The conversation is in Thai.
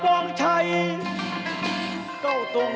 เสาคำยันอาวุธิ